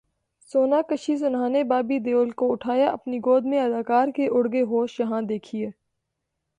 سوناکشی سنہا نے بابی دیول کو اٹھایا اپنی گود میں اداکار کے اڑ گئے ہوش، یہاں دیکھئے